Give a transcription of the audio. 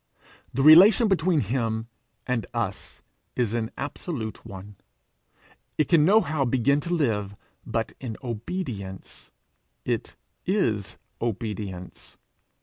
The relation between him and us is an absolute one; it can nohow begin to live but in obedience: it is obedience.